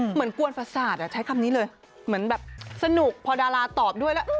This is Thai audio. กวนประสาทใช้คำนี้เลยเหมือนแบบสนุกพอดาราตอบด้วยแล้ว